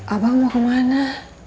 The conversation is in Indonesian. abang mau kemana